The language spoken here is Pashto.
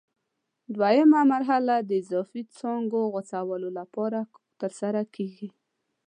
دوه یمه مرحله د اضافي څانګو غوڅولو لپاره ترسره کېږي.